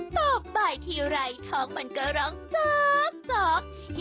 ต่อบายที่ไร้ท้องมันก็ร้องจ๊อก